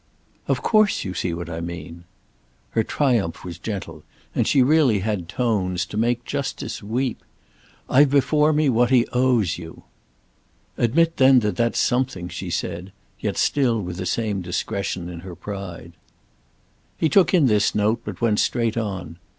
"Of course you see what I mean." Her triumph was gentle, and she really had tones to make justice weep. "I've before me what he owes you." "Admit then that that's something," she said, yet still with the same discretion in her pride. He took in this note but went straight on.